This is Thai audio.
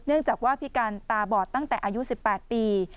เนื่องจากว่าพิการตาบอดตั้งแต่อายุ๑๘ปี